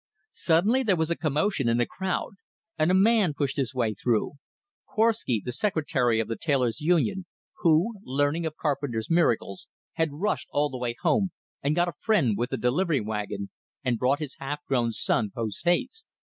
Suddenly there was a commotion in the crowd, and a man pushed his way through Korwsky, the secretary of the tailor's union, who, learning of Carpenter's miracles, had rushed all the way home, and got a friend with a delivery wagon, and brought his half grown son post haste.